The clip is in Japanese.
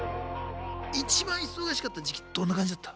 一番忙しかった時期どんな感じだった？